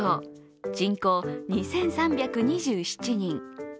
人口２３２７人。